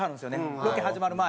ロケ始まる前。